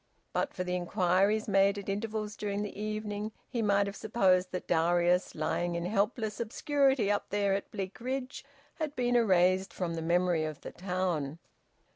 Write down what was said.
But for the inquiries made at intervals during the evening, he might have supposed that Darius, lying in helpless obscurity up there at Bleak ridge, had been erased from the memory of the town.